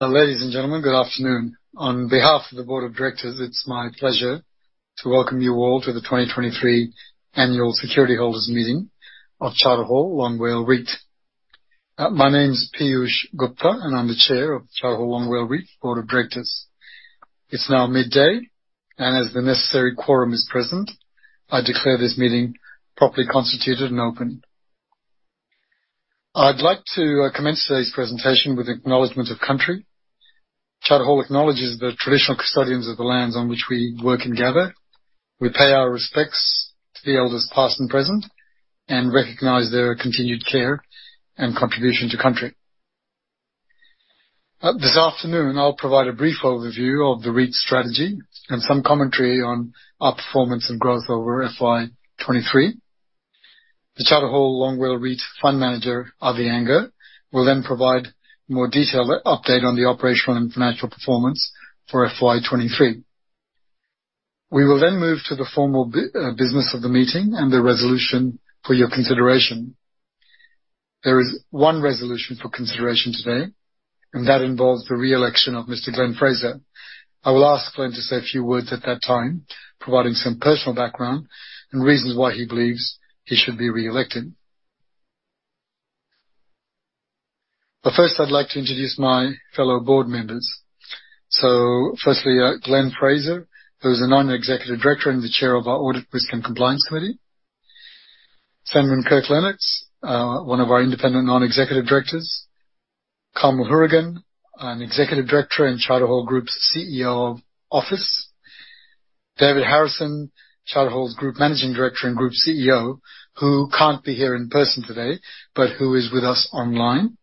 Ladies and gentlemen, good afternoon. On behalf of the Board of Directors, it's my pleasure to welcome you all to the 2023 Annual Security Holders Meeting of Charter Hall Long WALE REIT. My name is Peeyush Gupta, and I'm the chair of Charter Hall Long WALE REIT Board of Directors. It's now midday, and as the necessary quorum is present, I declare this meeting properly constituted and open. I'd like to commence today's presentation with Acknowledgement of Country. Charter Hall acknowledges the traditional custodians of the lands on which we work and gather. We pay our respects to the elders, past and present, and recognize their continued care and contribution to Country. This afternoon, I'll provide a brief overview of the REIT strategy and some commentary on our performance and growth over FY 2023. The Charter Hall Long WALE REIT fund manager, Avi Anger, will then provide more detailed update on the operational and financial performance for FY 2023. We will then move to the formal business of the meeting and the resolution for your consideration. There is one resolution for consideration today, and that involves the re-election of Mr. Glenn Fraser. I will ask Glenn to say a few words at that time, providing some personal background and reasons why he believes he should be re-elected. First, I'd like to introduce my fellow board members. Firstly, Glenn Fraser, who is a non-executive director and the chair of our Audit, Risk, and Compliance Committee. Simon Mokoroa, one of our independent non-executive directors. Carmel Hourigan, an executive director in Charter Hall Group's CEO office. David Harrison, Charter Hall's Group Managing Director and Group CEO, who can't be here in person today, but who is with us online.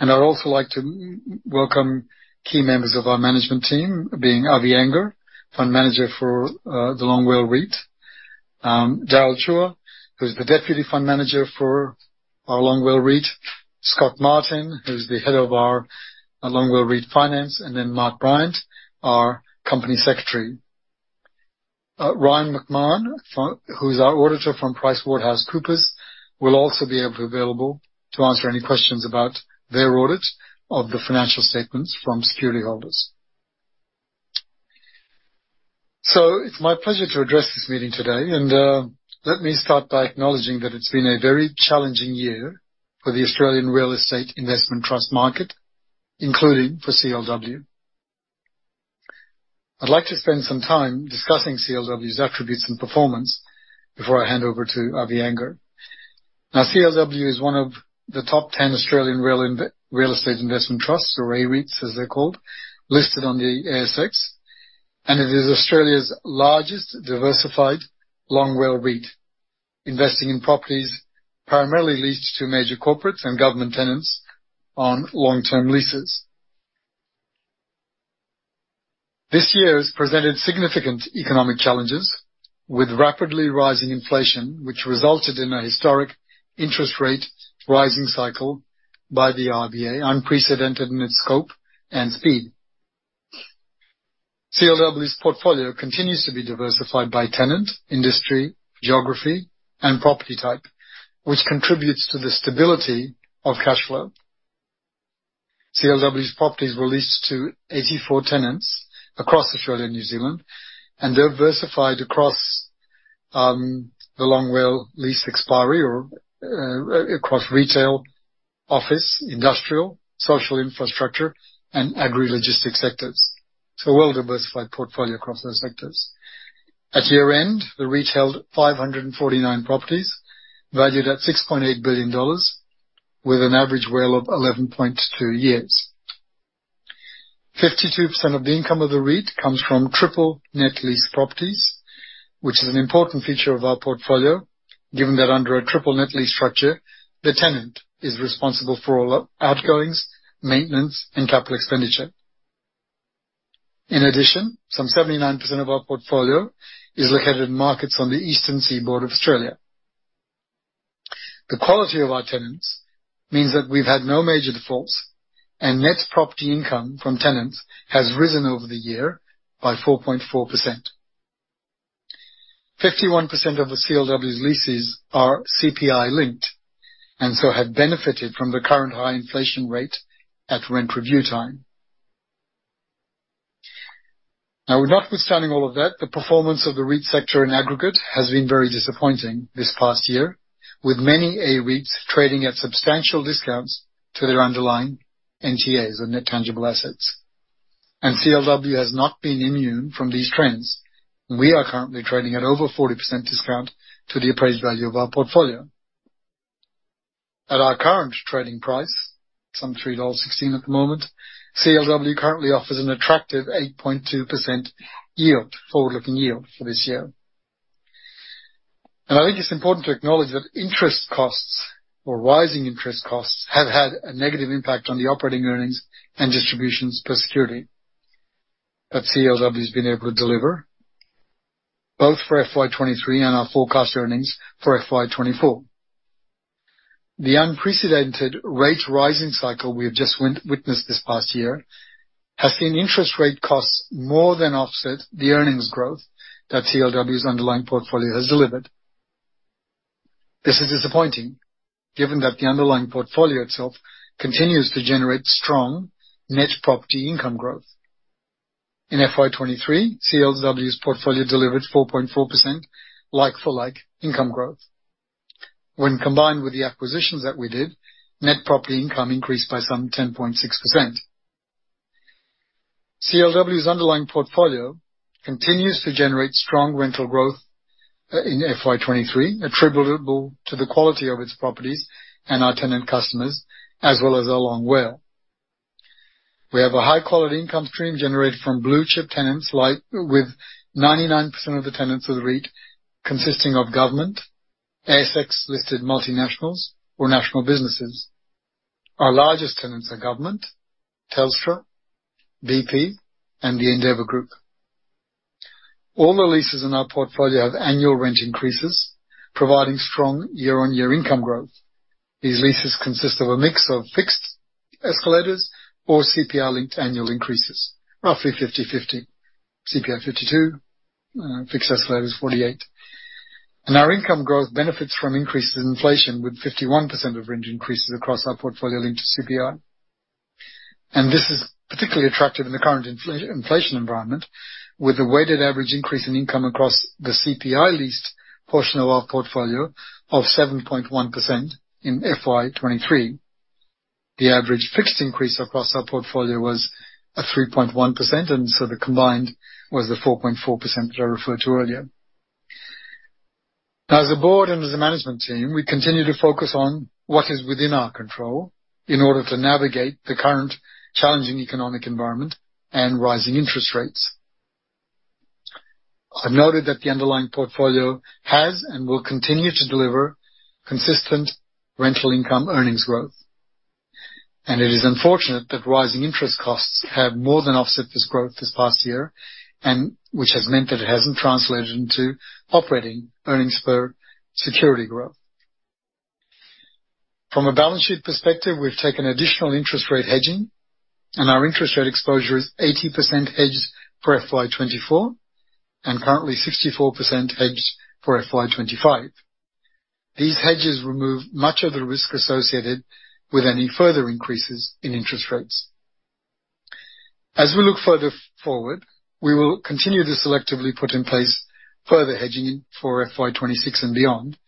I'd also like to welcome key members of our management team, being Avi Anger, Fund Manager for the Long WALE REIT. Daryl Chua, who's the Deputy Fund Manager for our Long WALE REIT. Scott Martin, who's the head of our Long WALE REIT finance, and then Mark Bryant, our Company Secretary. Ryan McMahon, who's our auditor from PricewaterhouseCoopers, will also be available to answer any questions about their audit of the financial statements from security holders. So it's my pleasure to address this meeting today, and let me start by acknowledging that it's been a very challenging year for the Australian Real Estate Investment Trust market, including for CLW. I'd like to spend some time discussing CLW's attributes and performance before I hand over to Avi Anger. Now, CLW is one of the top 10 Australian Real Estate Investment Trusts, or AREITs, as they're called, listed on the ASX, and it is Australia's largest diversified Long WALE REIT, investing in properties primarily leased to major corporates and government tenants on long-term leases. This year has presented significant economic challenges with rapidly rising inflation, which resulted in a historic interest rate rising cycle by the RBA, unprecedented in its scope and speed. CLW's portfolio continues to be diversified by tenant, industry, geography, and property type, which contributes to the stability of cash flow. CLW's properties were leased to 84 tenants across Australia and New Zealand, and diversified across retail, office, industrial, social infrastructure, and agri logistics sectors. It's a well-diversified portfolio across those sectors. At year-end, the REIT held 549 properties, valued at 6.8 billion dollars, with an average WALE of 11.2 years. 52% of the income of the REIT comes from Triple Net Lease properties, which is an important feature of our portfolio, given that under a Triple Net Lease structure, the tenant is responsible for all outgoings, maintenance, and capital expenditure. In addition, some 79% of our portfolio is located in markets on the eastern seaboard of Australia. The quality of our tenants means that we've had no major defaults, and net property income from tenants has risen over the year by 4.4%. 51% of the CLW's leases are CPI linked and so have benefited from the current high inflation rate at rent review time. Now, notwithstanding all of that, the performance of the REIT sector in aggregate has been very disappointing this past year, with many AREITs trading at substantial discounts to their underlying NTAs or net tangible assets. CLW has not been immune from these trends. We are currently trading at over 40% discount to the appraised value of our portfolio. At our current trading price, some 3.16 dollars at the moment, CLW currently offers an attractive 8.2% yield, forward-looking yield for this year. I think it's important to acknowledge that interest costs or rising interest costs have had a negative impact on the operating earnings and distributions per security, that CLW has been able to deliver both for FY 2023 and our forecast earnings for FY 2024. The unprecedented rate rising cycle we have just witnessed this past year has seen interest rate costs more than offset the earnings growth that CLW's underlying portfolio has delivered. This is disappointing, given that the underlying portfolio itself continues to generate strong net property income growth. In FY 2023, CLW's portfolio delivered 4.4% like-for-like income growth. When combined with the acquisitions that we did, net property income increased by some 10.6%. CLW's underlying portfolio continues to generate strong rental growth, in FY 2023, attributable to the quality of its properties and our tenant customers, as well as our long WALE. We have a high-quality income stream generated from blue chip tenants, like, with 99% of the tenants of the REIT consisting of government, ASX-listed multinationals or national businesses. Our largest tenants are government, Telstra, BP, and the Endeavour Group. All the leases in our portfolio have annual rent increases, providing strong year-on-year income growth. These leases consist of a mix of fixed escalators or CPI-linked annual increases, roughly 50/50. CPI 52, fixed escalator is 48. Our income growth benefits from increases in inflation, with 51% of rent increases across our portfolio linked to CPI. And this is particularly attractive in the current inflation environment, with a weighted average increase in income across the CPI leased portion of our portfolio of 7.1% in FY 2023. The average fixed increase across our portfolio was a 3.1%, and so the combined was the 4.4% that I referred to earlier. Now, as a board and as a management team, we continue to focus on what is within our control in order to navigate the current challenging economic environment and rising interest rates. I've noted that the underlying portfolio has, and will continue to deliver, consistent rental income earnings growth, and it is unfortunate that rising interest costs have more than offset this growth this past year, and which has meant that it hasn't translated into operating earnings per security growth. From a balance sheet perspective, we've taken additional interest rate hedging, and our interest rate exposure is 80% hedged for FY 2024 and currently 64% hedged for FY 2025. These hedges remove much of the risk associated with any further increases in interest rates. As we look further forward, we will continue to selectively put in place further hedging for FY 2026 and beyond,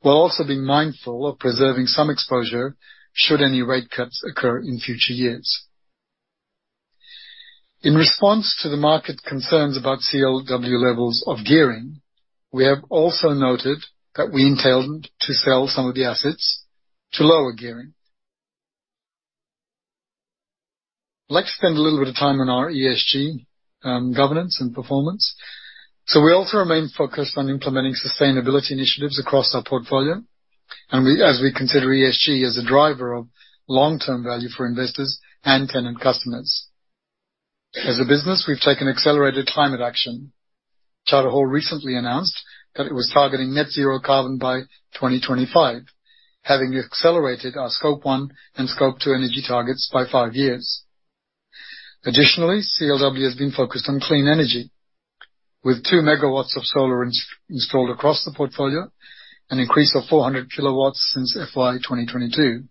while also being mindful of preserving some exposure should any rate cuts occur in future years. In response to the market concerns about CLW levels of gearing, we have also noted that we intend to sell some of the assets to lower gearing. I'd like to spend a little bit of time on our ESG governance and performance. So we also remain focused on implementing sustainability initiatives across our portfolio, and as we consider ESG as a driver of long-term value for investors and tenant customers. As a business, we've taken accelerated climate action. Charter Hall recently announced that it was targeting Net Zero Carbon by 2025, having accelerated our Scope One and Scope Two energy targets by five years. Additionally, CLW has been focused on clean energy, with 2 MW of solar installed across the portfolio, an increase of 400 kW since FY 2022.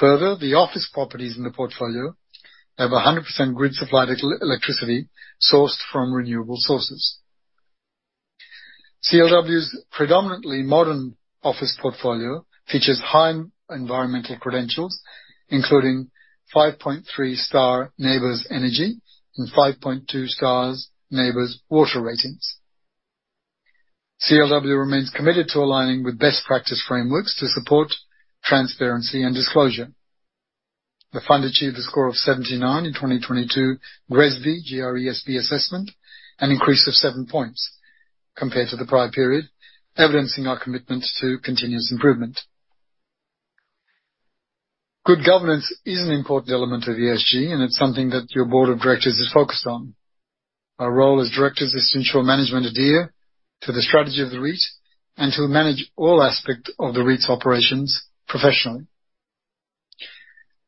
Further, the office properties in the portfolio have 100% grid supplied electricity sourced from renewable sources. CLW's predominantly modern office portfolio features high environmental credentials, including 5.3-star NABERS energy and 5.2-star NABERS water ratings. CLW remains committed to aligning with best practice frameworks to support transparency and disclosure. The fund achieved a score of 79 in 2022 GRESB assessment, an increase of 7 points compared to the prior period, evidencing our commitment to continuous improvement. Good governance is an important element of ESG, and it's something that your board of directors is focused on. Our role as directors is to ensure management adhere to the strategy of the REIT and to manage all aspects of the REIT's operations professionally.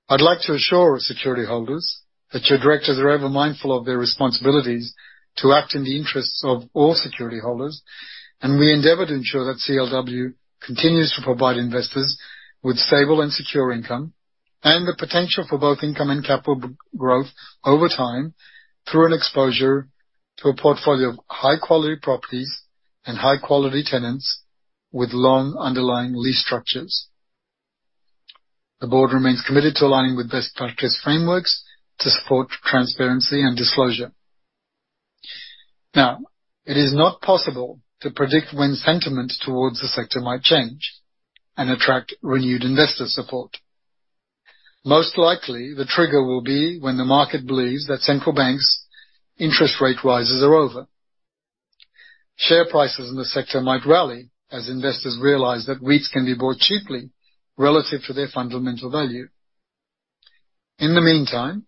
I'd like to assure our security holders that your directors are ever mindful of their responsibilities to act in the interests of all security holders, and we endeavor to ensure that CLW continues to provide investors with stable and secure income, and the potential for both income and capital growth over time, through an exposure to a portfolio of high quality properties and high quality tenants with long underlying lease structures. The board remains committed to aligning with best practice frameworks to support transparency and disclosure. Now, it is not possible to predict when sentiment towards the sector might change and attract renewed investor support. Most likely, the trigger will be when the market believes that central banks' interest rate rises are over. Share prices in the sector might rally as investors realize that REITs can be bought cheaply relative to their fundamental value. In the meantime,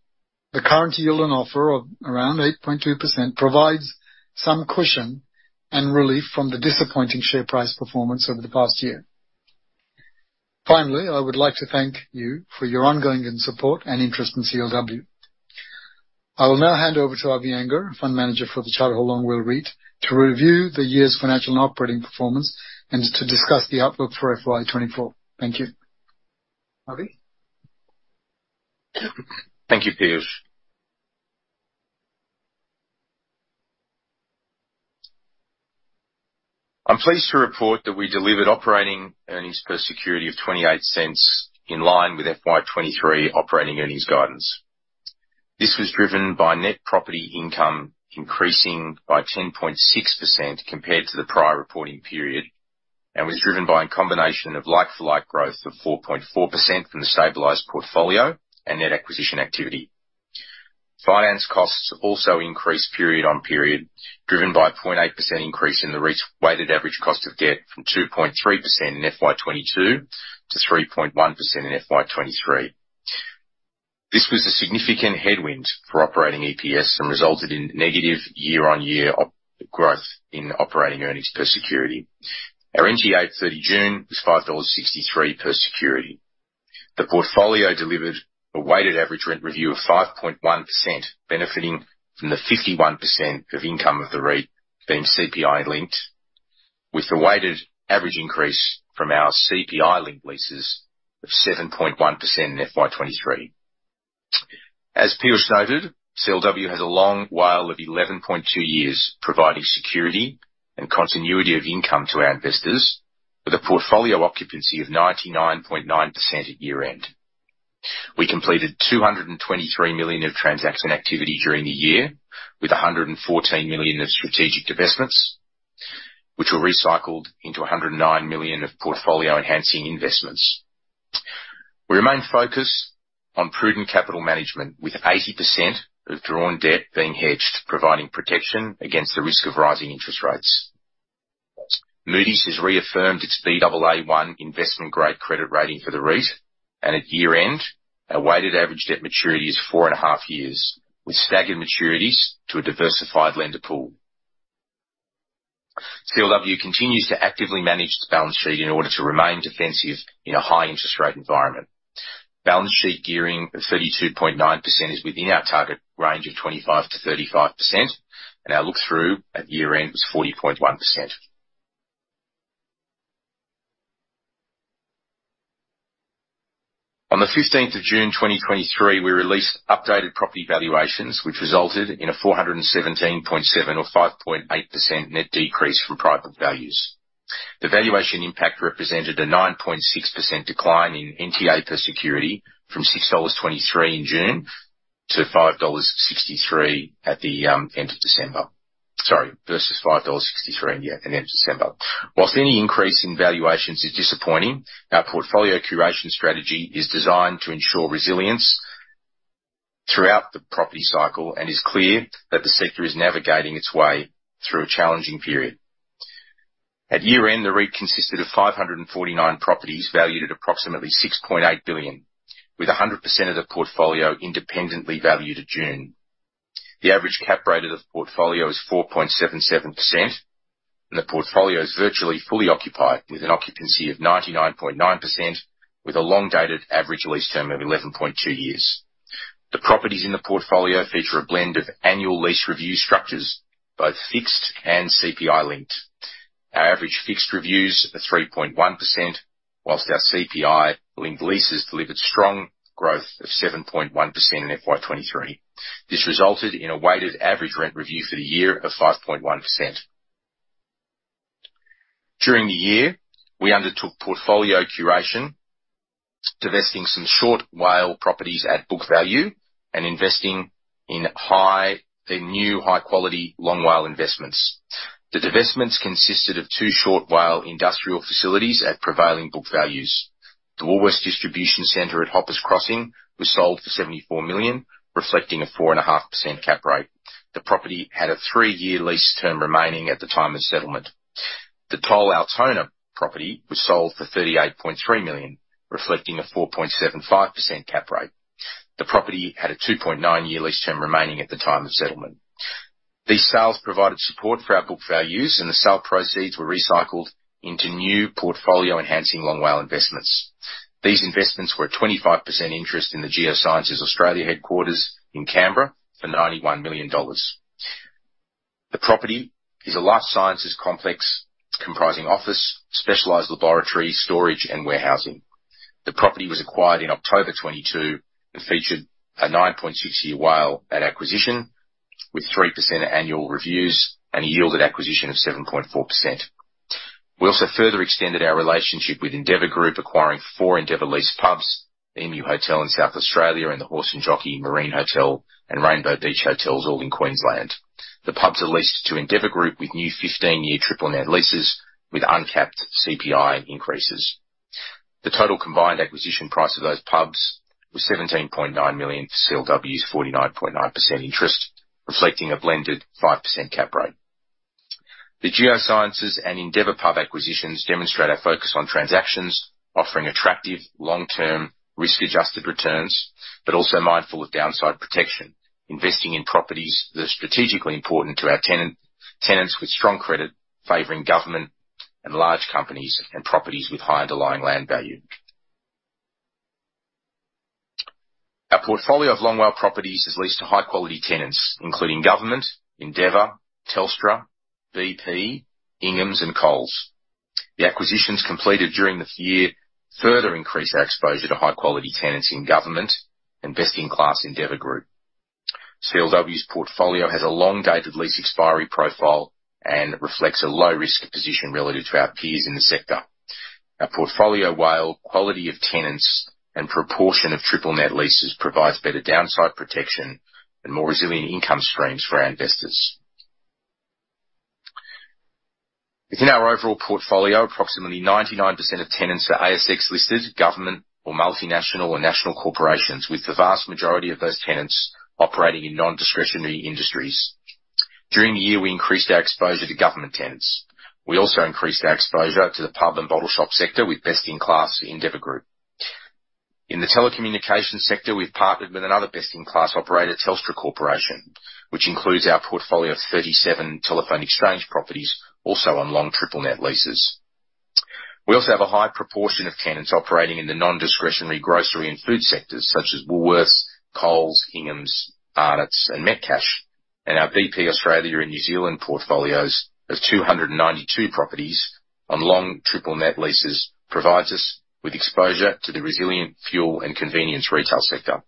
the current yield on offer of around 8.2% provides some cushion and relief from the disappointing share price performance over the past year. Finally, I would like to thank you for your ongoing support and interest in CLW. I will now hand over to Avi Anger, fund manager for the Charter Hall Long WALE REIT, to review the year's financial and operating performance and to discuss the outlook for FY 2024. Thank you. Avi? Thank you, Peeyush. I'm pleased to report that we delivered operating earnings per security of 0.28, in line with FY 2023 operating earnings guidance. This was driven by net property income increasing by 10.6% compared to the prior reporting period, and was driven by a combination of like-for-like growth of 4.4% from the stabilized portfolio and net acquisition activity. Finance costs also increased period-on-period, driven by a 0.8% increase in the REIT's weighted average cost of debt from 2.3% in FY 2022 to 3.1% in FY 2023. This was a significant headwind for operating EPS and resulted in negative year-on-year growth in operating earnings per security. Our NTA at 30 June was AUD 5.63 per security. The portfolio delivered a weighted average rent review of 5.1%, benefiting from the 51% of income of the REIT being CPI linked, with the weighted average increase from our CPI linked leases of 7.1% in FY 2023. As Peeyush noted, CLW has a long WALE of 11.2 years, providing security and continuity of income to our investors, with a portfolio occupancy of 99.9% at year-end. We completed 223 million of transaction activity during the year, with 114 million in strategic divestments, which were recycled into 109 million of portfolio-enhancing investments. We remain focused on prudent capital management, with 80% of drawn debt being hedged, providing protection against the risk of rising interest rates. Moody's has reaffirmed its Baa1 investment-grade credit rating for the REIT, and at year-end, our weighted average debt maturity is 4.5 years, with staggered maturities to a diversified lender pool. CLW continues to actively manage its balance sheet in order to remain defensive in a high interest rate environment. Balance sheet gearing of 32.9% is within our target range of 25%-35%, and our look-through at year-end was 40.1%. On the 15th of June 2023, we released updated property valuations, which resulted in a 417.7 or 5.8% net decrease from private values. The valuation impact represented a 9.6% decline in NTA per security, from 6.23 dollars in June to 5.63 dollars at the end of December. Sorry, versus 5.63 dollars, yeah, at the end of December. While any increase in valuations is disappointing, our portfolio curation strategy is designed to ensure resilience throughout the property cycle, and it is clear that the sector is navigating its way through a challenging period. At year-end, the REIT consisted of 549 properties, valued at approximately 6.8 billion, with 100% of the portfolio independently valued at June. The average cap rate of the portfolio is 4.77%, and the portfolio is virtually fully occupied, with an occupancy of 99.9%, with a long-dated average lease term of 11.2 years. The properties in the portfolio feature a blend of annual lease review structures, both fixed and CPI linked. Our average fixed reviews are 3.1%, while our CPI linked leases delivered strong growth of 7.1% in FY 2023. This resulted in a weighted average rent review for the year of 5.1%. During the year, we undertook portfolio curation, divesting some short WALE properties at book value and investing in new, high-quality long WALE investments. The divestments consisted of two short WALE industrial facilities at prevailing book values. The Woolworths Distribution Center at Hoppers Crossing was sold for 74 million, reflecting a 4.5% cap rate. The property had a three year lease term remaining at the time of settlement. The Toll Altona property was sold for AUD 38.3 million, reflecting a 4.75% cap rate. The property had a two year and nine monthslease term remaining at the time of settlement. These sales provided support for our book values, and the sale proceeds were recycled into new portfolio, enhancing long WALE investments. These investments were a 25% interest in the Geosciences Australia headquarters in Canberra for 91 million dollars. The property is a life sciences complex comprising office, specialized laboratory, storage, and warehousing. The property was acquired in October 2022 and featured a nine year and six months WALE at acquisition, with 3% annual reviews and a yield at acquisition of 7.4%. We also further extended our relationship with Endeavour Group, acquiring 4 Endeavour leased pubs: the Emu Hotel in South Australia and the Horse and Jockey, Marine Hotel, and Rainbow Beach Hotel, all in Queensland. The pubs are leased to Endeavour Group with new 15-year triple net leases with uncapped CPI increases. The total combined acquisition price of those pubs was 17.9 million for CLW's 49.9% interest, reflecting a blended 5% cap rate. The Geosciences and Endeavour pub acquisitions demonstrate our focus on transactions offering attractive long-term, risk-adjusted returns, but also mindful of downside protection, investing in properties that are strategically important to our tenants with strong credit, favoring government and large companies, and properties with high underlying land value....Our portfolio of long WALE properties is leased to high quality tenants, including government, Endeavour, Telstra, BP, Inghams, and Coles. The acquisitions completed during the year further increase our exposure to high quality tenants in government and best-in-class Endeavour Group. CLW's portfolio has a long date of lease expiry profile and reflects a low risk position relative to our peers in the sector. Our portfolio WALE, quality of tenants, and proportion of triple net leases provides better downside protection and more resilient income streams for our investors. Within our overall portfolio, approximately 99% of tenants are ASX-listed, government or multinational or national corporations, with the vast majority of those tenants operating in non-discretionary industries. During the year, we increased our exposure to government tenants. We also increased our exposure to the pub and bottle shop sector with best-in-class Endeavour Group. In the telecommunications sector, we've partnered with another best-in-class operator, Telstra Corporation, which includes our portfolio of 37 telephone exchange properties, also on long triple net leases. We also have a high proportion of tenants operating in the non-discretionary grocery and food sectors, such as Woolworths, Coles, Inghams, Arnott's, and Metcash. Our BP Australia and New Zealand portfolios of 292 properties on long triple net leases provides us with exposure to the resilient fuel and convenience retail sector.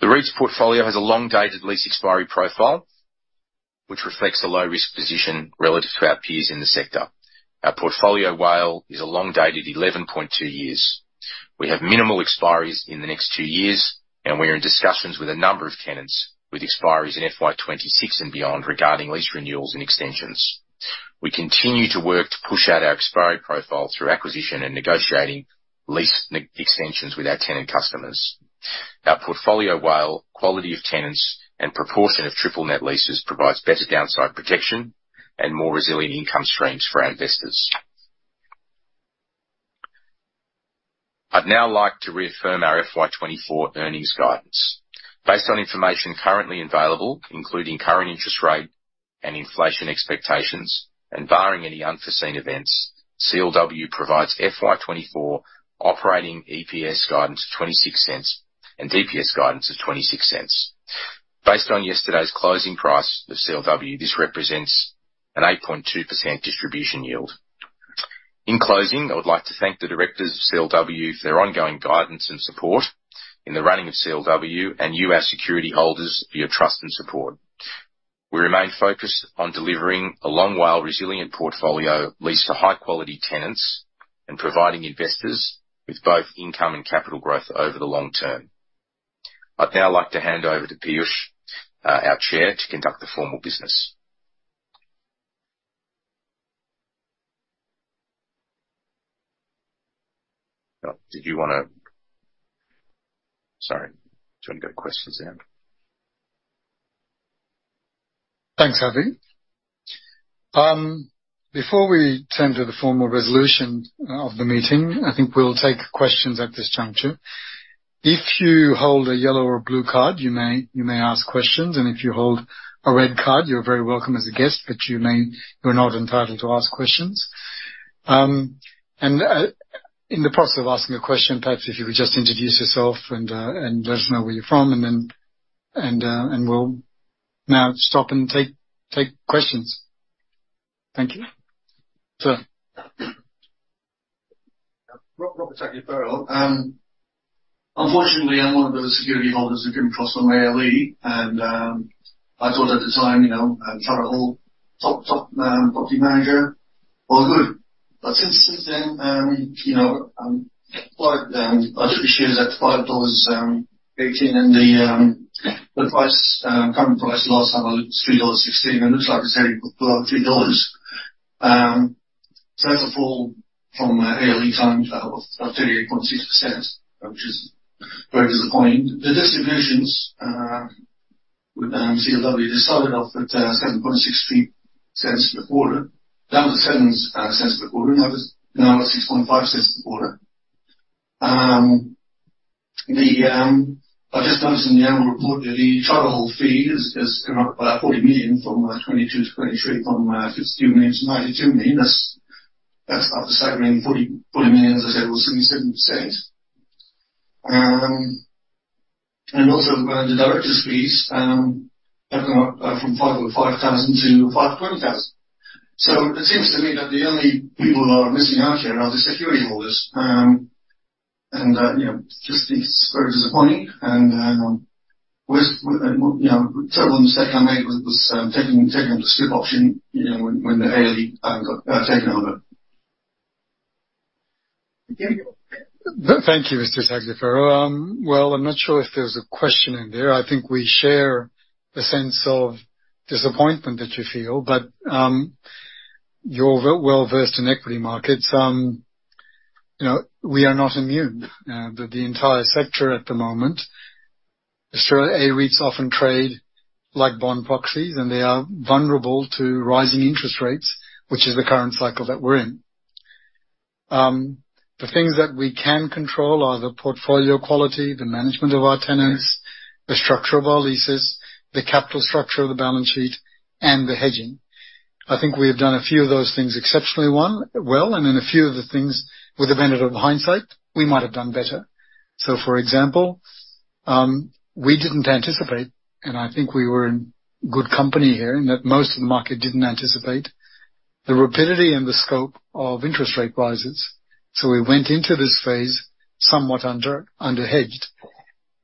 The REIT's portfolio has a long date of lease expiry profile, which reflects a low risk position relative to our peers in the sector. Our portfolio WALE is a long date at 11.2 years. We have minimal expiries in the next two years, and we're in discussions with a number of tenants with expiries in FY 2026 and beyond regarding lease renewals and extensions. We continue to work to push out our expiry profile through acquisition and negotiating lease extensions with our tenant customers. Our portfolio WALE, quality of tenants and proportion of triple net leases provides better downside protection and more resilient income streams for our investors. I'd now like to reaffirm our FY 2024 earnings guidance. Based on information currently available, including current interest rate and inflation expectations, and barring any unforeseen events, CLW provides FY 2024 operating EPS guidance of 0.26 and DPS guidance of 0.26. Based on yesterday's closing price of CLW, this represents an 8.2% distribution yield. In closing, I would like to thank the directors of CLW for their ongoing guidance and support in the running of CLW and you, our security holders, for your trust and support. We remain focused on delivering a long WALE, resilient portfolio, leased to high quality tenants, and providing investors with both income and capital growth over the long term. I'd now like to hand over to Peeyush, our Chair, to conduct the formal business. Do you want to go to questions then? Thanks, Avi. Before we turn to the formal resolution of the meeting, I think we'll take questions at this juncture. If you hold a yellow or blue card, you may ask questions, and if you hold a red card, you're very welcome as a guest, but you're not entitled to ask questions. In the process of asking a question, perhaps if you would just introduce yourself and let us know where you're from, and then we'll now stop and take questions. Thank you. Sir? Robert Tagliaferri. Unfortunately, I'm one of the security holders who came across from ALE, and I thought at the time,, Charter Hall, top property manager, all good. But since then,, I took the shares at AUD 5.18, and the current price, the last time I looked, was 3.16 dollars, and it looks like it's heading below 3 dollars. So that's a fall from ALE times of 38.6%, which is very disappointing. The distributions with CLW, they started off at 0.0760 per quarter, down to 7 cents per quarter. Now that's now at 0.065 a quarter. The... I've just noticed in the annual report that the Charter Hall fee has gone up by 40 million from 2022 to 2023, from 52 million to 92 million. That's up 70, 40, 40 million, as I said, or 77%. And also, the directors' fees have gone up from 5.5 thousand to 5 thousand. So it seems to me that the only people who are missing out here are the security holders. And,, I just think it's very disappointing and,, terrible mistake I made was taking the scrip option,, when the ALE got taken over. Thank you, Mr. Tagliaferri. Well, I'm not sure if there's a question in there. I think we share the sense of disappointment that you feel, but, you're well-versed in equity markets., we are not immune. The entire sector at the moment, Australia, AREITs often trade like bond proxies, and they are vulnerable to rising interest rates, which is the current cycle that we're in. The things that we can control are the portfolio quality, the management of our tenants, the structure of our leases, the capital structure of the balance sheet, and the hedging. I think we have done a few of those things exceptionally, one, well, and in a few of the things, with the benefit of hindsight, we might have done better. So for example-... We didn't anticipate, and I think we were in good company here, in that most of the market didn't anticipate, the rapidity and the scope of interest rate rises. So we went into this phase somewhat under-hedged,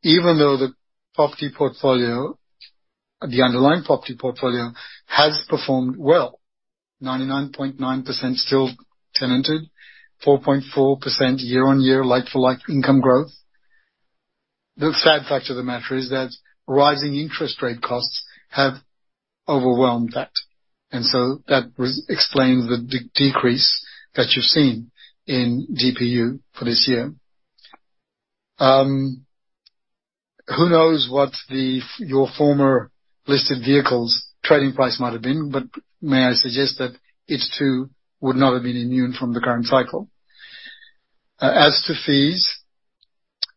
even though the property portfolio, the underlying property portfolio, has performed well. 99.9% still tenanted, 4.4% year-on-year, like-for-like income growth. The sad fact of the matter is that rising interest rate costs have overwhelmed that, and so that explains the decrease that you've seen in DPU for this year. Who knows what your former listed vehicle's trading price might have been, but may I suggest that it, too, would not have been immune from the current cycle. As to fees.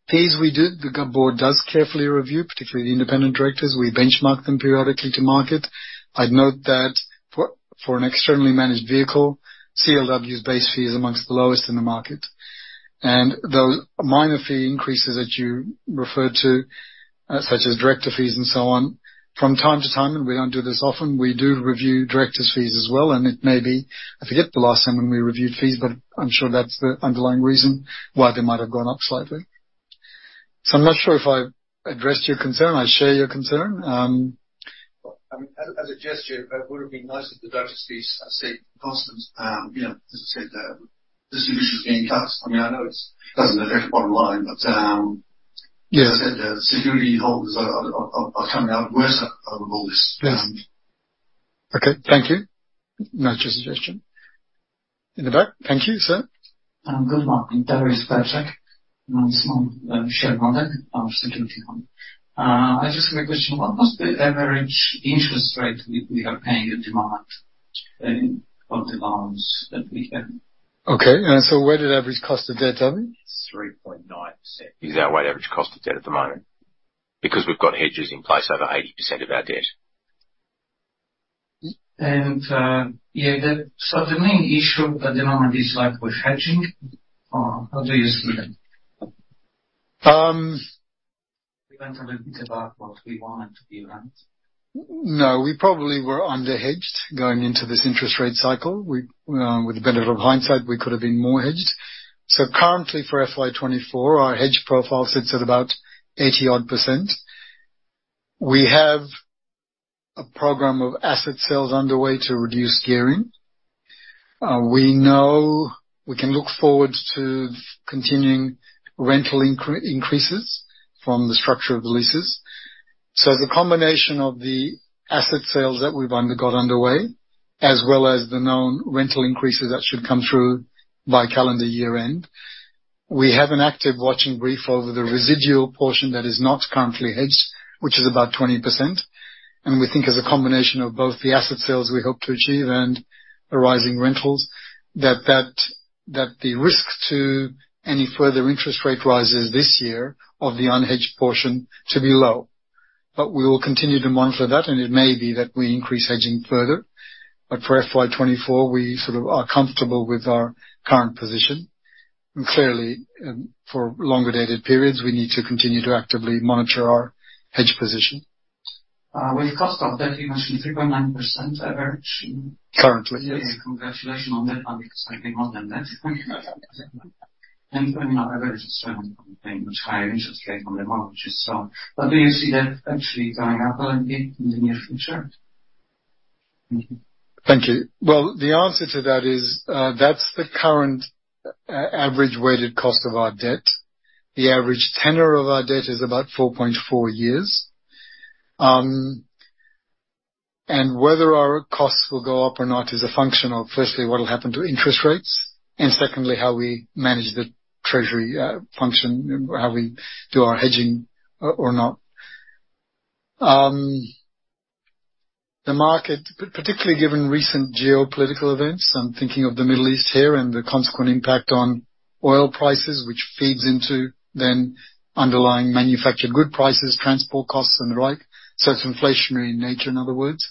Fees, we do. The board does carefully review, particularly the independent directors. We benchmark them periodically to market. I'd note that for an externally managed vehicle, CLW's base fee is among the lowest in the market, and the minor fee increases that you referred to, such as director fees and so on, from time to time, and we don't do this often. We do review directors' fees as well. It may be... I forget the last time when we reviewed fees, but I'm sure that's the underlying reason why they might have gone up slightly. So I'm not sure if I addressed your concern. I share your concern. Well, as a gesture, it would have been nice if the director fees had stayed constant., as I said, distributions being cut. I mean, I know it doesn't affect the bottom line, but, Yeah. As I said, security holders are coming out worse out of all this. Yes. Okay, thank you. Note your suggestion. In the back. Thank you, sir. Good morning. Darius Percik, small shareholder, security holder. I just have a question. What was the average interest rate we are paying at the moment of the loans that we have? Okay, and so weighted average cost of debt, to Avi? 3.9% is our weighted average cost of debt at the moment, because we've got hedges in place over 80% of our debt. The main issue at the moment is like with hedging, or how do you see that? Um- We went a little bit about what we wanted to be around. No, we probably were under-hedged going into this interest rate cycle. We, with the benefit of hindsight, we could have been more hedged. So currently, for FY 2024, our hedge profile sits at about 80 odd %. We have a program of asset sales underway to reduce gearing. We know we can look forward to continuing rental increases from the structure of the leases. So the combination of the asset sales that we've got underway, as well as the known rental increases that should come through by calendar year end, we have an active watching brief over the residual portion that is not currently hedged, which is about 20%. We think as a combination of both the asset sales we hope to achieve and the rising rentals, that the risk to any further interest rate rises this year of the unhedged portion to be low. But we will continue to monitor that, and it may be that we increase hedging further. But for FY 2024, we sort of are comfortable with our current position, and clearly, for longer dated periods, we need to continue to actively monitor our hedge position. With cost of debt, you mentioned 3.9% average. Currently, yes. Congratulations on that, because I think more than that. For an average, it's very much higher interest rate on the market itself. Do you see that actually going up again in the near future? Thank you. Well, the answer to that is, that's the current average weighted cost of our debt. The average tenor of our debt is about four years and four months. And whether our costs will go up or not is a function of, firstly, what will happen to interest rates, and secondly, how we manage the treasury function, and how we do our hedging, or not. The market, particularly given recent geopolitical events, I'm thinking of the Middle East here, and the consequent impact on oil prices, which feeds into then underlying manufactured good prices, transport costs and the like. So it's inflationary in nature, in other words.,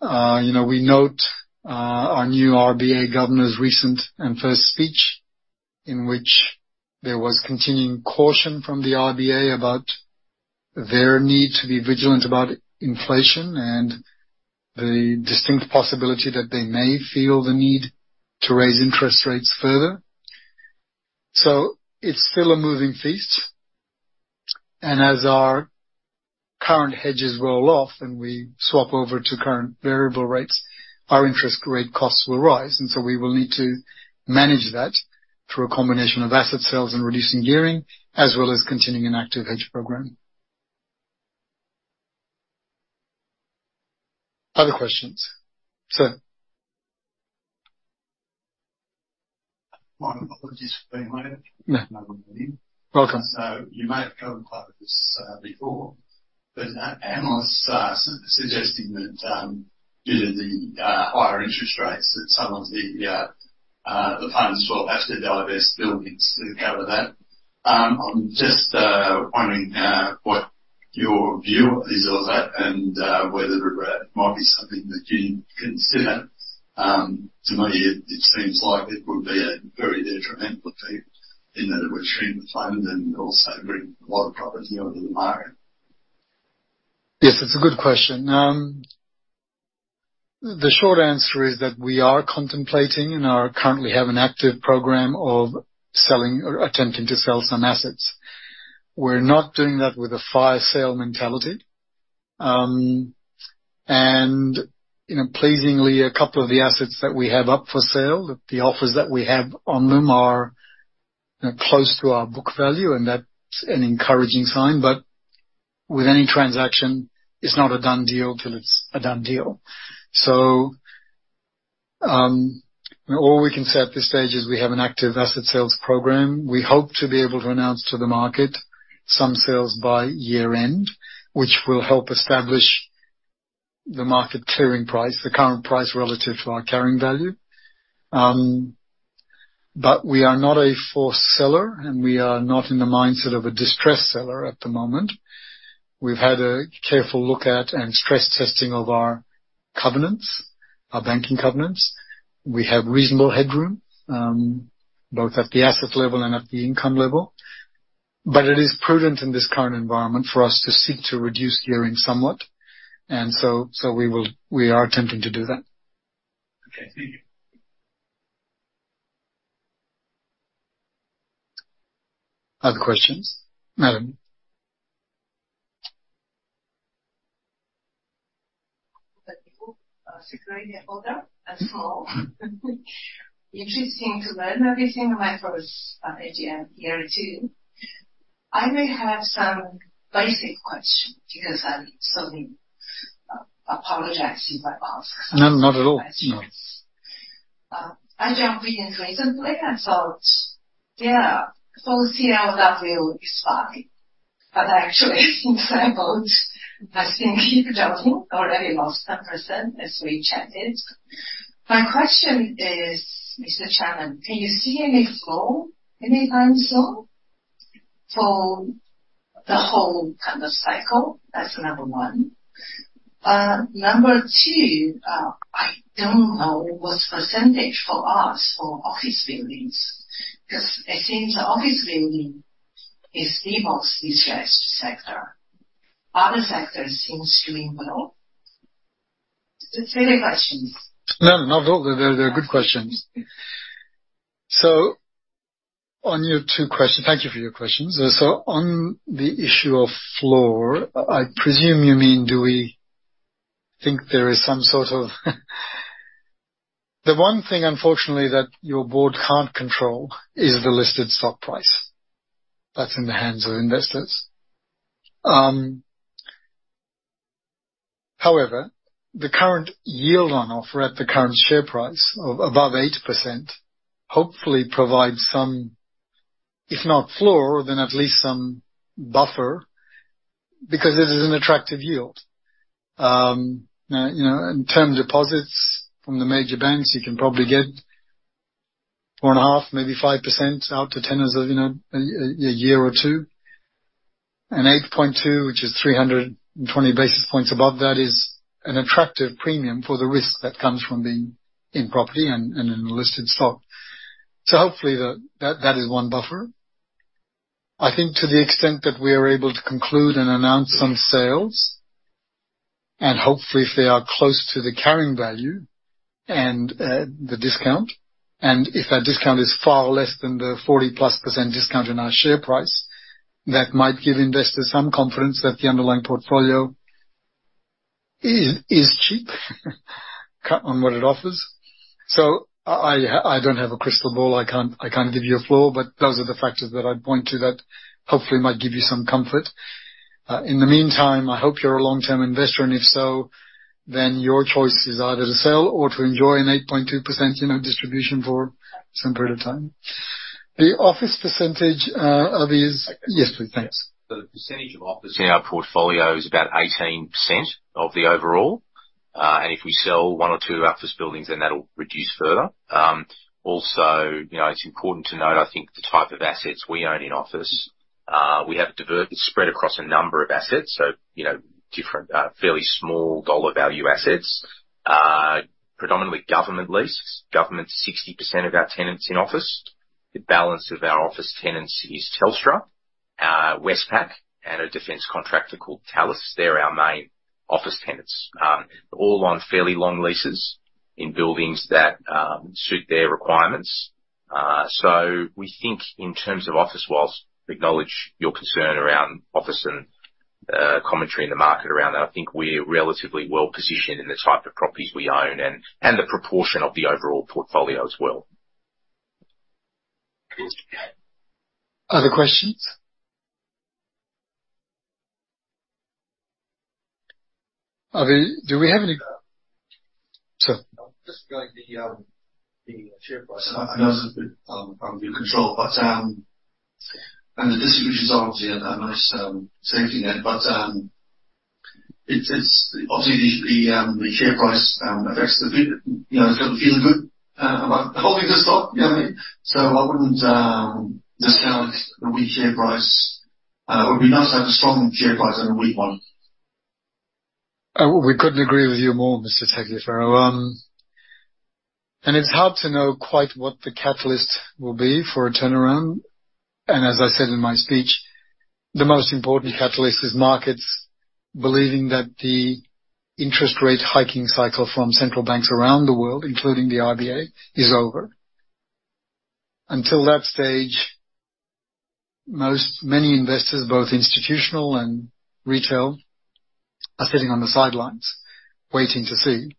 we note our new RBA governor's recent and first speech, in which there was continuing caution from the RBA about their need to be vigilant about inflation and the distinct possibility that they may feel the need to raise interest rates further. So it's still a moving feast, and as our current hedges roll off and we swap over to current variable rates, our interest rate costs will rise, and so we will need to manage that through a combination of asset sales and reducing gearing, as well as continuing an active hedge program. Other questions? Sir. My apologies for being late. Yeah. Welcome. So you may have covered this before, but analysts are suggesting that, due to the higher interest rates, that some of the funds will have to divest buildings to cover that. I'm just wondering what your view is on that, and whether it might be something that you'd consider?... To me, it seems like it would be a very detrimental to you in that it would shrink the fund and also bring a lot of property onto the market. Yes, it's a good question. The short answer is that we are contemplating and are currently have an active program of selling or attempting to sell some assets. We're not doing that with a fire sale mentality., pleasingly, a couple of the assets that we have up for sale, the offers that we have on them are,, close to our book value, and that's an encouraging sign. With any transaction, it's not a done deal till it's a done deal. All we can say at this stage is we have an active asset sales program. We hope to be able to announce to the market some sales by year end, which will help establish the market clearing price, the current price relative to our carrying value. But we are not a forced seller, and we are not in the mindset of a distressed seller at the moment. We've had a careful look at and stress testing of our covenants, our banking covenants. We have reasonable headroom, both at the asset level and at the income level. But it is prudent in this current environment for us to seek to reduce gearing somewhat, and so we are attempting to do that. Okay, thank you. Other questions? Madam. Thank you. And so, interesting to learn everything when I first AGM year or two. I may have some basic questions because I'm sorry, apologizing if I ask- No, not at all. -questions. I jumped in recently and thought, yeah, so CLW is fine, but actually, examples, I think you've already lost 10% as we chatted. My question is, Mr. Chairman, do you see any flow, anytime soon, for the whole kind of cycle? That's number one. Number two, I don't know what's percentage for us for office buildings, because I think the office building is the most distressed sector. Other sectors seem to doing well. Silly questions. No, not at all. They're good questions. So on your two questions... Thank you for your questions. So on the issue of floor, I presume you mean, do we think there is some sort of the one thing, unfortunately, that your board can't control is the listed stock price. That's in the hands of investors. However, the current yield on offer at the current share price of above 8%, hopefully provides some, if not floor, then at least some buffer, because this is an attractive yield., in term deposits from the major banks, you can probably get 4.5, maybe 5% out to 10 years,, a year or two. 8.2, which is 320 basis points above that, is an attractive premium for the risk that comes from being in property and in a listed stock. So hopefully that is one buffer. I think to the extent that we are able to conclude and announce some sales, and hopefully if they are close to the carrying value and the discount, and if that discount is far less than the 40+% discount in our share price, that might give investors some confidence that the underlying portfolio is cheap, cut on what it offers. So I don't have a crystal ball. I can't give you a floor, but those are the factors that I'd point to that hopefully might give you some comfort. In the meantime, I hope you're a long-term investor, and if so, then your choice is either to sell or to enjoy an 8.2%,, distribution for some period of time. The office percentage of Yes, please. Thanks. The percentage of office in our portfolio is about 18% of the overall. And if we sell one or two office buildings, then that'll reduce further. Also,, it's important to note, I think, the type of assets we own in office. We have a spread across a number of assets, so, different, fairly small dollar value assets. Predominantly government leases. Government is 60% of our tenants in office. The balance of our office tenants is Telstra, Westpac, and a defense contractor called Thales. They're our main office tenants. All on fairly long leases in buildings that suit their requirements. So we think in terms of office walls, acknowledge your concern around office and commentary in the market around that. I think we're relatively well-positioned in the type of properties we own and the proportion of the overall portfolio as well. Other questions? Do we have any... Sir. Just regarding the share price. I know it's a bit out of your control, but the distributions are obviously a nice safety net, but it's obviously the share price affects the,, feeling good about holding the stock. what I mean? So I wouldn't discount the weak share price. It would be nice to have a strong share price than a weak one.... We couldn't agree with you more, Mr. Tagliaferri. And it's hard to know quite what the catalyst will be for a turnaround. And as I said in my speech, the most important catalyst is markets believing that the interest rate hiking cycle from central banks around the world, including the RBA, is over. Until that stage, many investors, both institutional and retail, are sitting on the sidelines waiting to see.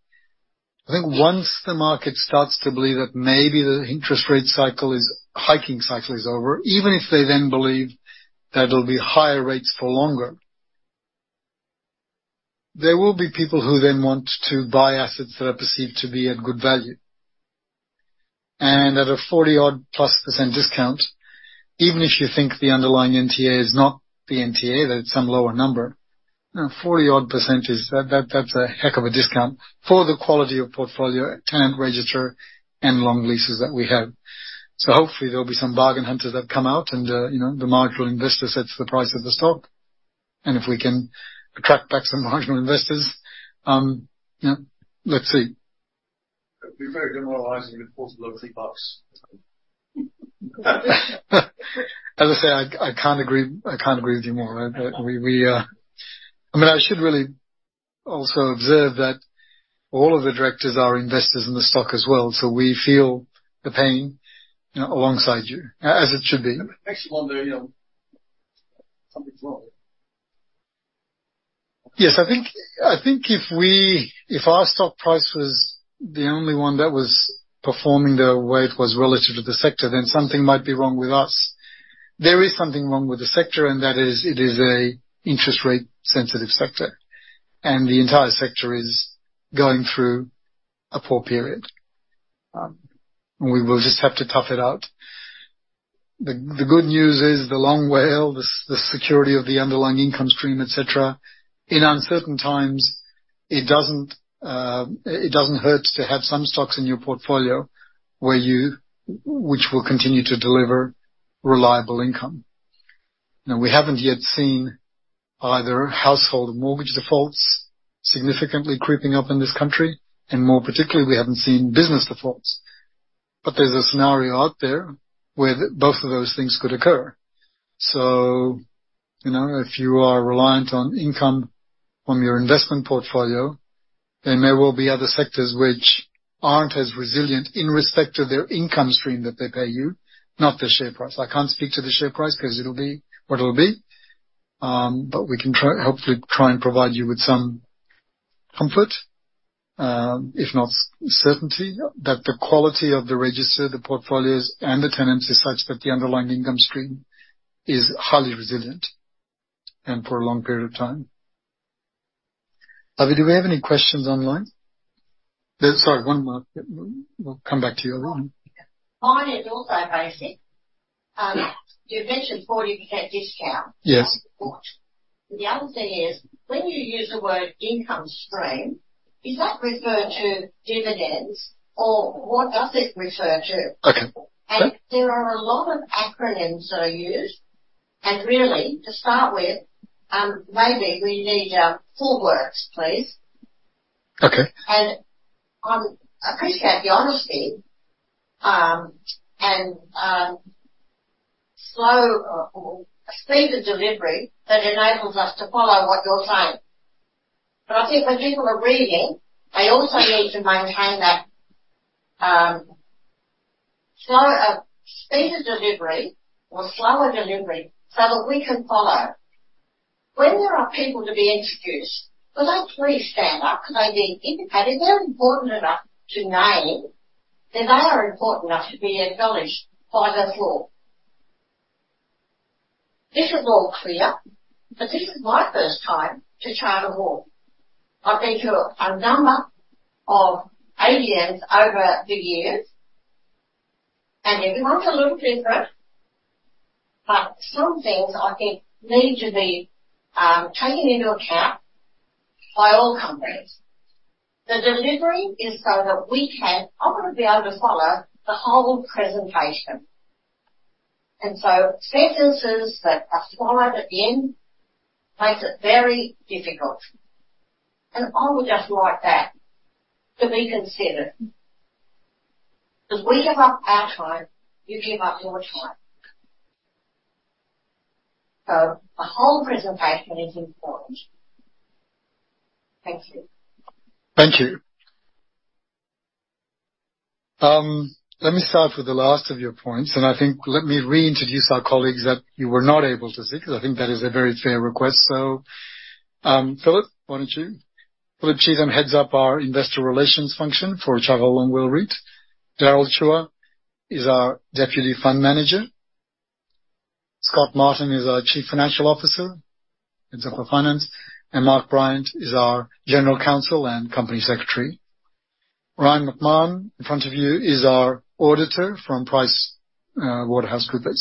I think once the market starts to believe that maybe the interest rate cycle is, hiking cycle is over, even if they then believe that it'll be higher rates for longer, there will be people who then want to buy assets that are perceived to be at good value. At a 40-odd-plus% discount, even if you think the underlying NTA is not the NTA, that it's some lower number, 40-odd% is, that, that's a heck of a discount for the quality of portfolio, tenant register, and long leases that we have. So hopefully, there'll be some bargain hunters that come out and,, the marginal investor sets the price of the stock. And if we can attract back some marginal investors, let's see. It'd be very demoralizing if it falls below AUD 3. As I say, I can't agree with you more. But we, I mean, I should really also observe that all of the directors are investors in the stock as well, so we feel the pain,, alongside you, as it should be. Makes you wonder,, something's wrong. Yes, I think, I think if we- if our stock price was the only one that was performing the way it was relative to the sector, then something might be wrong with us. There is something wrong with the sector, and that is it is a interest rate-sensitive sector, and the entire sector is going through a poor period. We will just have to tough it out. The good news is the Long WALE, the security of the underlying income stream, et cetera. In uncertain times, it doesn't, it doesn't hurt to have some stocks in your portfolio where you-- which will continue to deliver reliable income. Now, we haven't yet seen either household or mortgage defaults significantly creeping up in this country, and more particularly, we haven't seen business defaults. But there's a scenario out there where both of those things could occur. So,, if you are reliant on income from your investment portfolio, there may well be other sectors which aren't as resilient in respect to their income stream that they pay you, not the share price. I can't speak to the share price because it'll be what it'll be. But we can try, hopefully, try and provide you with some comfort, if not certainty, that the quality of the register, the portfolios, and the tenants is such that the underlying income stream is highly resilient and for a long period of time. Avi, do we have any questions online? Sorry, one more. We'll come back to you, Lauren. Mine is also basic. You mentioned 40% discount. Yes. The other thing is, when you use the word income stream, does that refer to dividends or what does it refer to? Okay. There are a lot of acronyms that are used, and really, to start with, maybe we need full works, please. Okay. And, I appreciate the honesty, and slow, or speed of delivery that enables us to follow what you're saying. But I think when people are reading, they also need to maintain that, slow, speed of delivery or slower delivery so that we can follow. When there are people to be introduced, well, they please stand up because they need indicated. If they're important enough to name, then they are important enough to be acknowledged by the floor. This is all clear, but this is my first time to Charter Hall. I've been to a number of AGMs over the years, and everyone's a little different, but some things I think need to be taken into account by all companies. The delivery is so that we can ultimately be able to follow the whole presentation. And so sentences that are followed at the end makes it very difficult. And I would just like that to be considered, because we give up our time, you give up your time. So the whole presentation is important. Thank you. Thank you. Let me start with the last of your points, and I think let me reintroduce our colleagues that you were not able to see, because I think that is a very fair request. So, Philip, why don't you? Philip Cheetham heads up our investor relations function for Charter Hall Long WALE REIT. Daryl Chua is our Deputy Fund Manager. Scott Martin is our Chief Financial Officer and Director of Finance, and Mark Bryant is our General Counsel and Company Secretary. Ryan McMahon, in front of you, is our auditor from PricewaterhouseCoopers.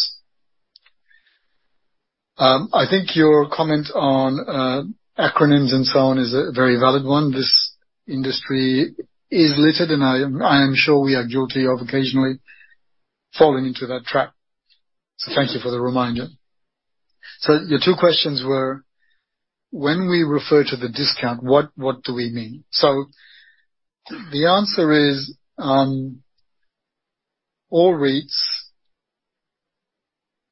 I think your comment on, acronyms and so on is a very valid one. This industry is littered, and I am sure we are guilty of occasionally falling into that trap. So thank you for the reminder. So your two questions were, when we refer to the discount, what do we mean? So the answer is, all REITs,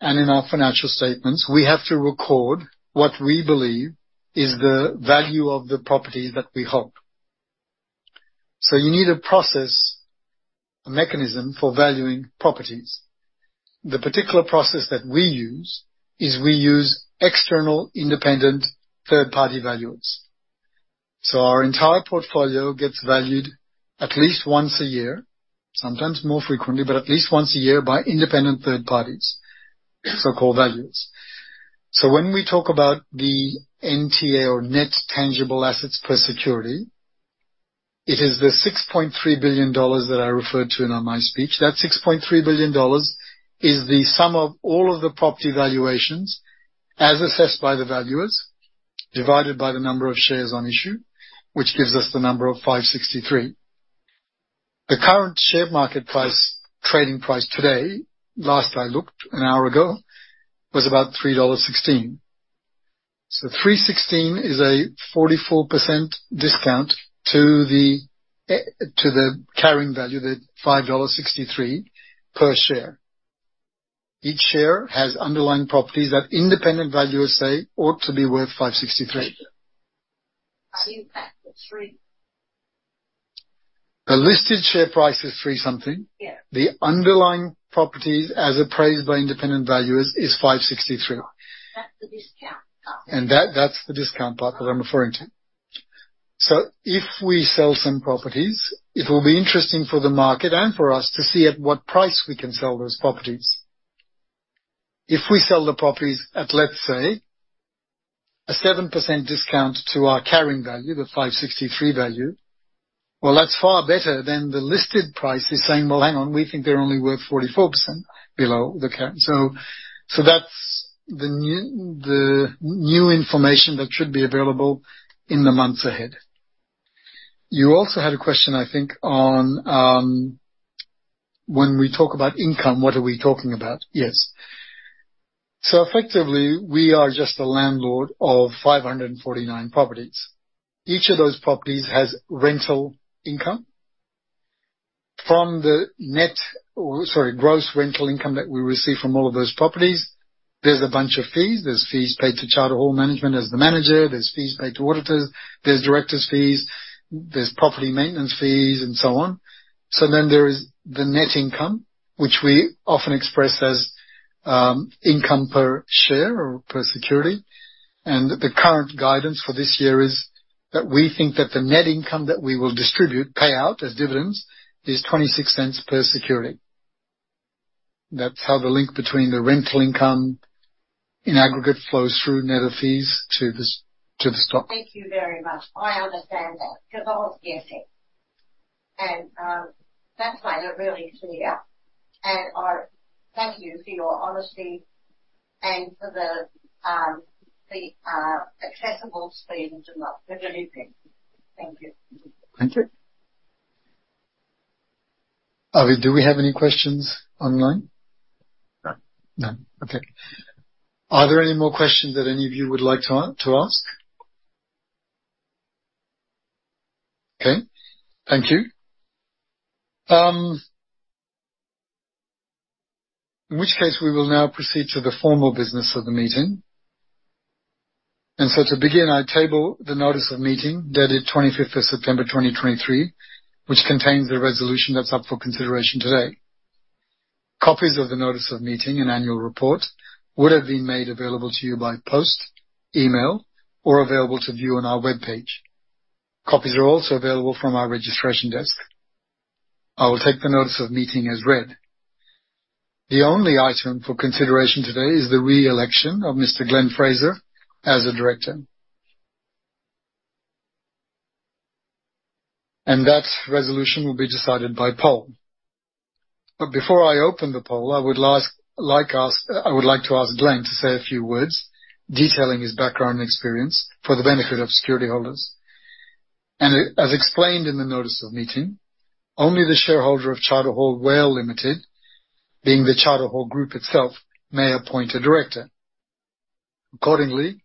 and in our financial statements, we have to record what we believe is the value of the property that we hold. So you need a process, a mechanism for valuing properties. The particular process that we use is we use external, independent, third-party valuers. So our entire portfolio gets valued at least once a year, sometimes more frequently, but at least once a year by independent third parties, so-called valuers. So when we talk about the NTA or net tangible assets per security, it is the 6.3 billion dollars that I referred to in on my speech. That 6.3 billion dollars is the sum of all of the property valuations, as assessed by the valuers, divided by the number of shares on issue, which gives us the number of 5.63. The current share market price, trading price today, last I looked an hour ago, was about 3.16 dollars. So 3.16 is a 44% discount to the, to the carrying value, the 5.63 dollars per share. Each share has underlying properties that independent valuers say ought to be worth 5.63. Are you at the three? The listed share price is 3 something. Yeah. The underlying properties, as appraised by independent valuers, is 563. That's the discount part. And that's the discount part that I'm referring to. So if we sell some properties, it will be interesting for the market and for us to see at what price we can sell those properties. If we sell the properties at, let's say, a 7% discount to our carrying value, the 5.63 value, well, that's far better than the listed price is saying, "Well, hang on, we think they're only worth 44% below the carrying." So that's the new information that should be available in the months ahead. You also had a question, I think, on when we talk about income, what are we talking about? Yes. So effectively, we are just a landlord of 549 properties. Each of those properties has rental income. From the net, or sorry, gross rental income that we receive from all of those properties, there's a bunch of fees. There's fees paid to Charter Hall management as the manager, there's fees paid to auditors, there's directors' fees, there's property maintenance fees, and so on. So then there is the net income, which we often express as, income per share or per security. And the current guidance for this year is that we think that the net income that we will distribute, pay out as dividends, is 0.26 per security. That's how the link between the rental income in aggregate flows through net of fees to the, to the stock. Thank you very much. I understand that because I was guessing, and that's made it really clear. And I thank you for your honesty and for the accessible statement a lot. They're really great. Thank you. Thank you. Do we have any questions online? No. No. Okay. Are there any more questions that any of you would like to ask? Okay. Thank you. In which case, we will now proceed to the formal business of the meeting. And so to begin, I table the notice of meeting, dated 25th of September, 2023, which contains the resolution that's up for consideration today. Copies of the notice of meeting and annual report would have been made available to you by post, email, or available to view on our webpage. Copies are also available from our registration desk. I will take the notice of meeting as read. The only item for consideration today is the re-election of Mr. Glenn Fraser as a director. And that resolution will be decided by poll. But before I open the poll, I would like to ask Glenn to say a few words detailing his background and experience for the benefit of security holders. As explained in the notice of meeting, only the shareholder of Charter Hall WALE Limited, being the Charter Hall Group itself, may appoint a director. Accordingly,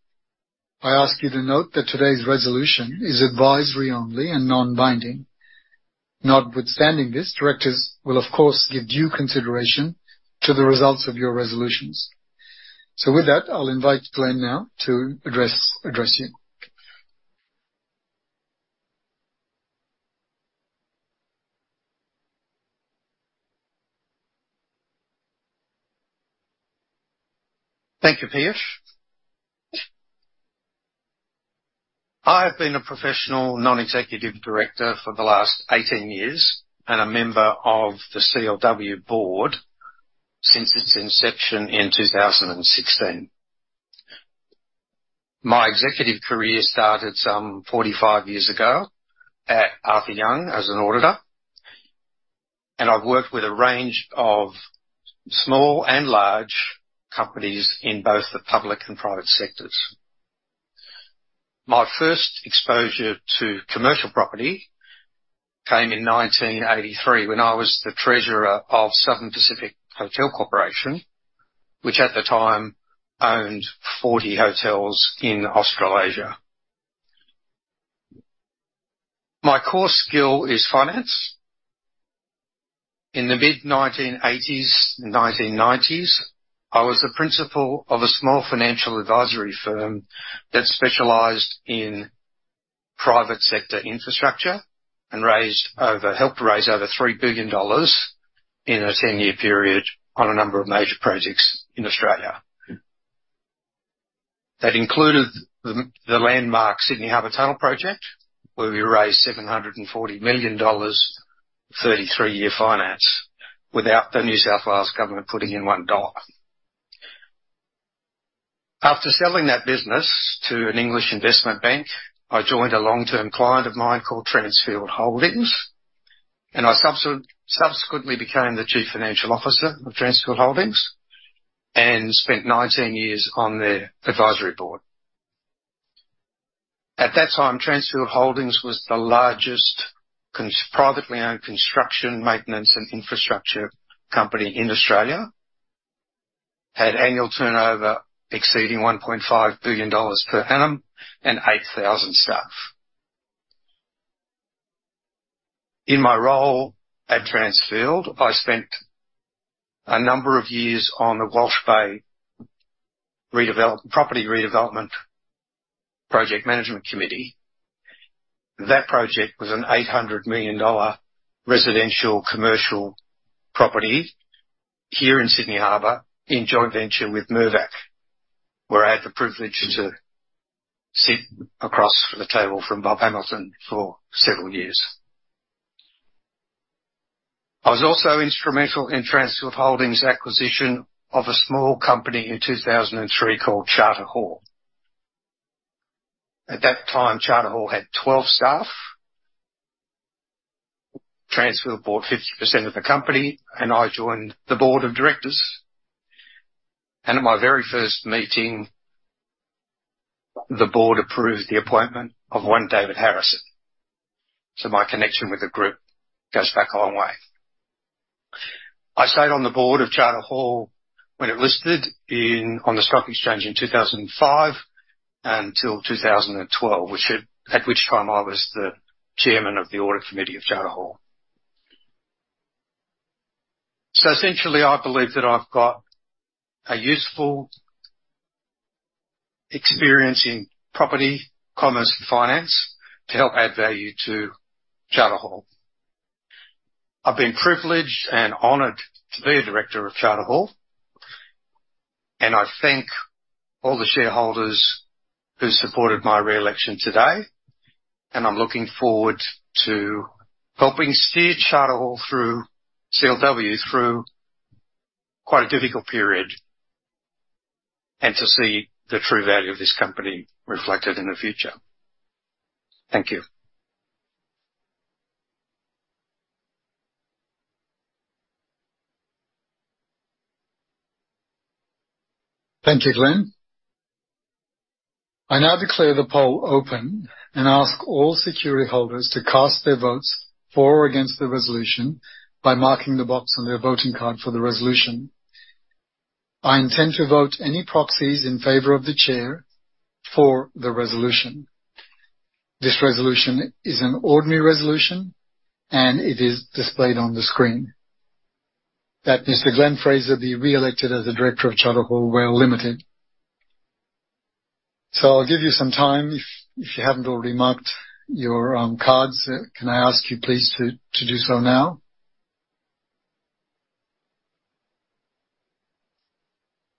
I ask you to note that today's resolution is advisory only and non-binding. Notwithstanding this, directors will, of course, give due consideration to the results of your resolutions. So with that, I'll invite Glenn now to address you. Thank you, Pierce. I've been a professional non-executive director for the last 18 years and a member of the CLW board since its inception in 2016. My executive career started some 45 years ago at Arthur Young as an auditor, and I've worked with a range of small and large companies in both the public and private sectors. My first exposure to commercial property came in 1983, when I was the treasurer of Southern Pacific Hotel Corporation, which at the time owned 40 hotels in Australasia. My core skill is finance. In the mid-1980s, 1990s, I was the principal of a small financial advisory firm that specialized in private sector infrastructure and helped to raise over 3 billion dollars in a 10-year period on a number of major projects in Australia. That included the landmark Sydney Harbour Tunnel project, where we raised 740 million dollars, 33-year finance, without the New South Wales government putting in 1 dollar. After selling that business to an English investment bank, I joined a long-term client of mine called Transfield Holdings, and I subsequently became the Chief Financial Officer of Transfield Holdings and spent 19 years on their advisory board. At that time, Transfield Holdings was the largest privately-owned construction, maintenance, and infrastructure company in Australia. Had annual turnover exceeding 1.5 billion dollars per annum and 8,000 staff. In my role at Transfield, I spent a number of years on the Walsh Bay property redevelopment project management committee. That project was an 800 million dollar residential commercial property here in Sydney Harbour, in joint venture with Mirvac, where I had the privilege to sit across the table from Bob Hamilton for several years. I was also instrumental in Transfield Holdings' acquisition of a small company in 2003 called Charter Hall. At that time, Charter Hall had 12 staff. Transfield bought 50% of the company, and I joined the board of directors. And at my very first meeting, the board approved the appointment of one David Harrison. So my connection with the group goes back a long way. I stayed on the board of Charter Hall when it listed in, on the stock exchange in 2005 until 2012, which at which time I was the chairman of the audit committee of Charter Hall. Essentially, I believe that I've got a useful experience in property, commerce, and finance to help add value to Charter Hall. I've been privileged and honored to be a director of Charter Hall, and I thank all the shareholders who supported my re-election today, and I'm looking forward to helping steer Charter Hall through CLW, through quite a difficult period, and to see the true value of this company reflected in the future. Thank you. Thank you, Glenn. I now declare the poll open and ask all security holders to cast their votes for or against the resolution by marking the box on their voting card for the resolution. I intend to vote any proxies in favor of the chair for the resolution. This resolution is an ordinary resolution, and it is displayed on the screen: that Mr. Glenn Fraser be re-elected as a director of Charter Hall WALE Limited. So I'll give you some time. If you haven't already marked your cards, can I ask you please to do so now?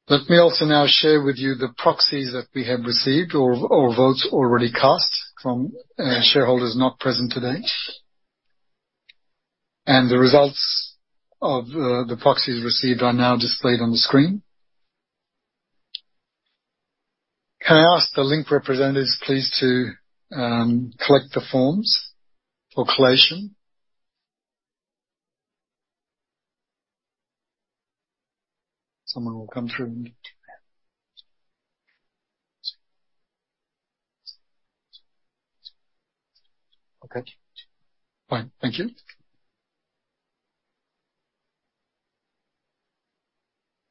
Let me also now share with you the proxies that we have received or votes already cast from shareholders not present today. The results of the proxies received are now displayed on the screen. Can I ask the Link representatives please, to collect the forms for collation? Someone will come through. Okay, fine. Thank you.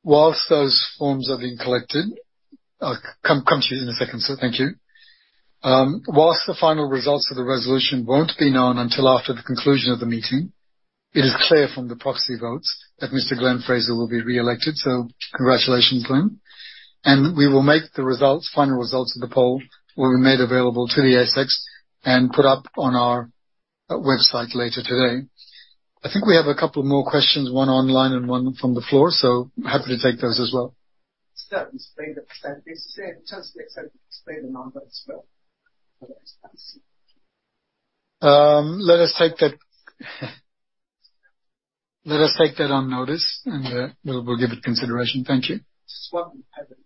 While those forms are being collected, I'll come to you in a second, sir. Thank you. While the final results of the resolution won't be known until after the conclusion of the meeting, it is clear from the proxy votes that Mr. Glenn Fraser will be re-elected. So congratulations, Glenn, and we will make the results, final results of the poll will be made available to the ASX and put up on our website later today. I think we have a couple more questions, one online and one from the floor, so happy to take those as well. Certain state of percent. They say just state the number as well. Let us take that on notice, and we'll give it consideration. Thank you. Slightly ahead of it.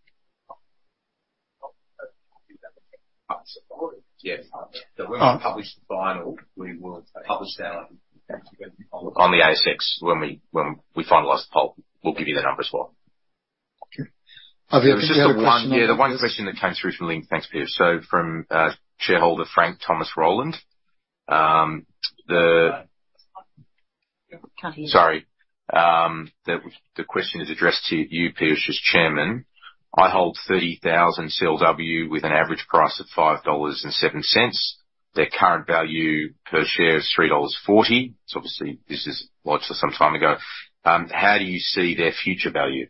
Yes. So when we publish the final, we will publish that on the ASX. When we finalize the poll, we'll give you the numbers for.... Okay. There was just one question that came through from Link. Thanks, Peter. So from shareholder Frank Thomas Rowland. The- Can't hear you. Sorry. The question is addressed to you, Peter, as chairman. I hold 30,000 CLW with an average price of 5.07 dollars. Their current value per share is 3.40 dollars. So obviously, this is lodged for some time ago. How do you see their future value?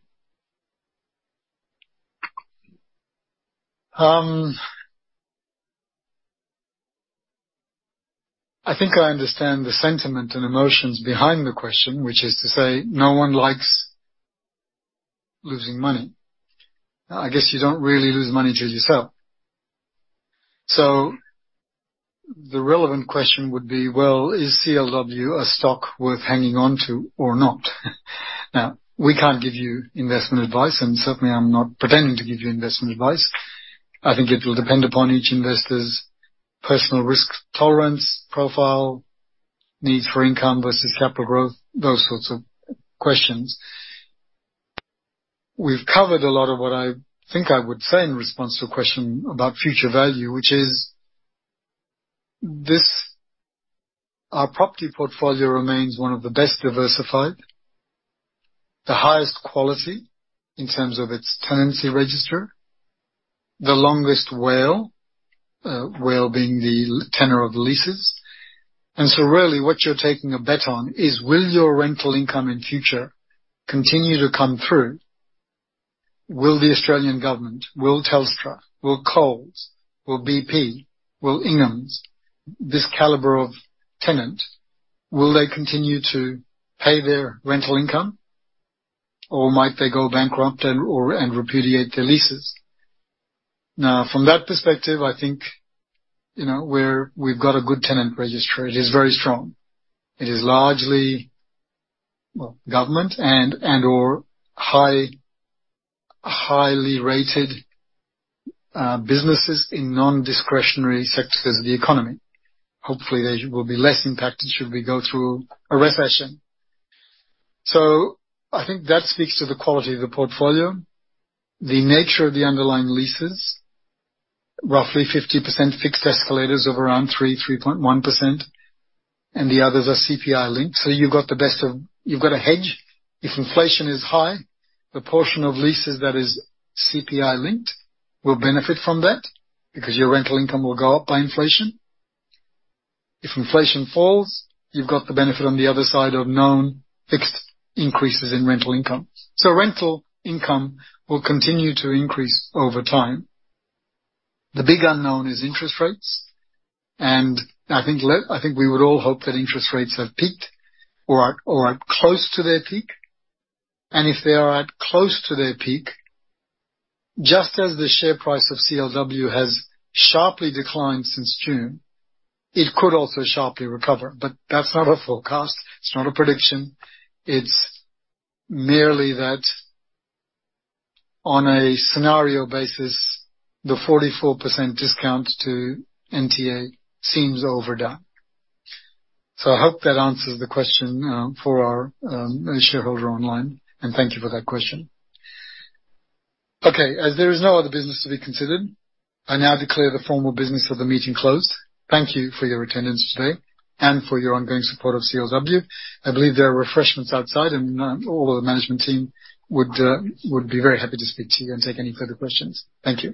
I think I understand the sentiment and emotions behind the question, which is to say, no one likes losing money. I guess you don't really lose money till you sell. So the relevant question would be, well, is CLW a stock worth hanging on to or not? Now, we can't give you investment advice, and certainly I'm not pretending to give you investment advice. I think it will depend upon each investor's personal risk tolerance, profile, needs for income versus capital growth, those sorts of questions. We've covered a lot of what I think I would say in response to a question about future value, which is this: our property portfolio remains one of the best diversified, the highest quality in terms of its tenancy register, the longest WALE, WALE being the tenor of leases. And so really, what you're taking a bet on is, will your rental income in future continue to come through? Will the Australian government, will Telstra, will Coles, will BP, will Inghams, this caliber of tenant, will they continue to pay their rental income, or might they go bankrupt and/or, and repudiate their leases? Now, from that perspective, I think,, we've got a good tenant registry. It is very strong. It is largely, well, government and, and/or highly rated businesses in non-discretionary sectors of the economy. Hopefully, they will be less impacted should we go through a recession. So I think that speaks to the quality of the portfolio, the nature of the underlying leases. Roughly 50% fixed escalators of around 3.1%, and the others are CPI linked. So you've got a hedge. If inflation is high, the portion of leases that is CPI linked will benefit from that because your rental income will go up by inflation. If inflation falls, you've got the benefit on the other side of known fixed increases in rental income. So rental income will continue to increase over time. The big unknown is interest rates, and I think we would all hope that interest rates have peaked or are, or are close to their peak. And if they are at close to their peak, just as the share price of CLW has sharply declined since June, it could also sharply recover. But that's not a forecast, it's not a prediction. It's merely that on a scenario basis, the 44% discount to NTA seems overdone. So I hope that answers the question for our shareholder online, and thank you for that question. Okay, as there is no other business to be considered, I now declare the formal business of the meeting closed. Thank you for your attendance today and for your ongoing support of CLW. I believe there are refreshments outside, and all of the management team would be very happy to speak to you and take any further questions. Thank you.